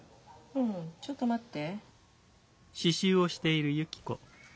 うんちょっと待って。